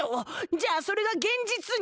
じゃあそれがげん実に！